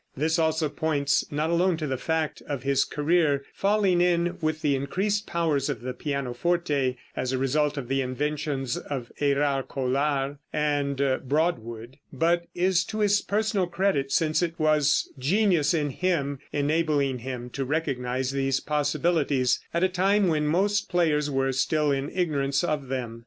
This also points not alone to the fact of his career falling in with the increased powers of the pianoforte, as a result of the inventions of Érard, Collard and Broadwood, but is to his personal credit, since it was genius in him enabling him to recognize these possibilities, at a time when most players were still in ignorance of them.